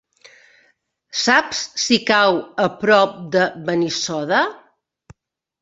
Saps si cau a prop de Benissoda?